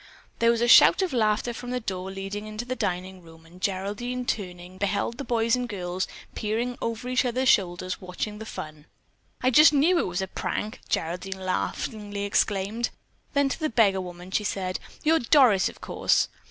There was a shout of laughter from the door leading into the dining room, and Geraldine, turning, beheld the boys and girls peering over each other's shoulders watching the fun. "I just knew it was a prank," Geraldine laughingly exclaimed. Then to the beggar woman she said, "You're Doris, of course."